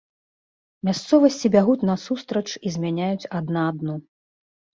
Мясцовасці бягуць насустрач і змяняюць адна адну.